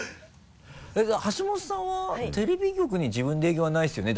橋本さんはテレビ局に自分で営業はないですよね？